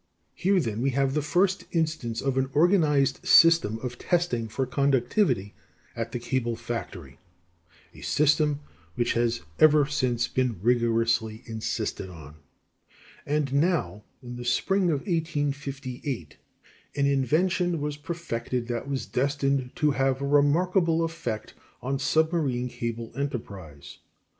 Here, then, we have the first instance of an organized system of testing for conductivity at the cable factory a system which has ever since been rigorously insisted on. Professor Thomson's Mirror Instrument. And now, in the spring of 1858, an invention was perfected that was destined to have a remarkable effect on submarine cable enterprise.